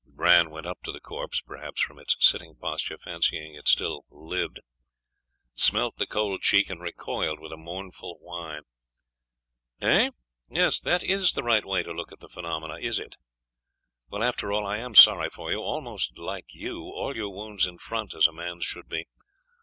Bran went up to the corpse perhaps from its sitting posture fancying it still living smelt the cold cheek, and recoiled with a mournful whine. 'Eh? That is the right way to look at the phenomena, is it? Well, after all, I am sorry for you.... almost like you.... All your wounds in front, as a man's should be.